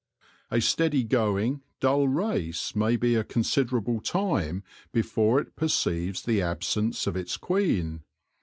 A steady going, dull race may be a considerable time before it perceives the absence of its queen.